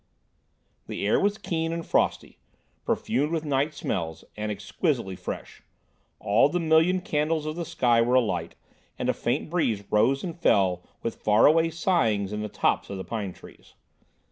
The air was keen and frosty, perfumed with night smells, and exquisitely fresh; all the million candles of the sky were alight, and a faint breeze rose and fell with far away sighings in the tops of the pine trees.